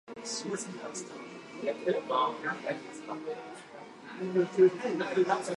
It was the location of the ancient state Takrur.